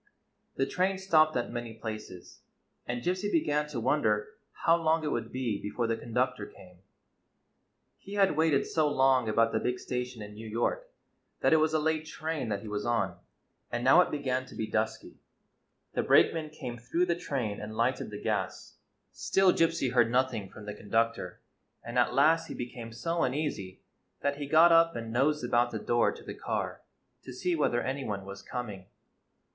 The train stopped at many places, and Gypsy began to wonder how long it would be before the con ductor came. He had waited so long about the big station in New York that it was a late train that he was on, and now it began to be dusky. The brakeman came through the train and lighted the gas. Still Gypsy heard nothing i77 GYPSY, T PI E TALKING DOG from the conductor, and at last he became so uneasy that he got up and nosed about the door to the car to see whether anyone was coming.